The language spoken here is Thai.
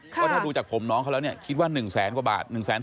เพราะถ้าดูจากผมน้องเขาแล้วเนี่ยคิดว่า๑แสนกว่าบาท